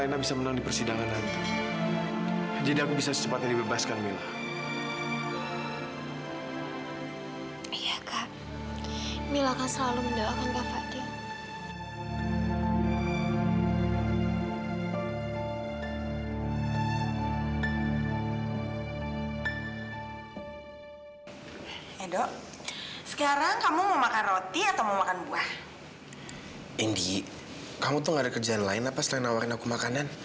indi kamu tuh gak ada kerjaan lain apa selain nawarin aku makanan